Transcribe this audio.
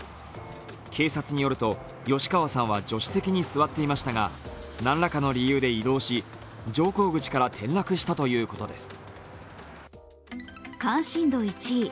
警察によると吉川さんは助手席に座っていましたがなんらかの理由で移動し乗降口から転落したということです。